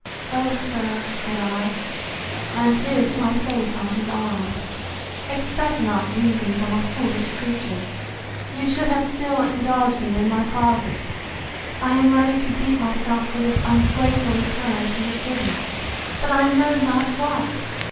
O sir, said I, and hid my face on his arm; expect not reason from a foolish creature: You should have still indulged me in my closet: I am ready to beat myself for this ungrateful return to your goodness. But I know not what!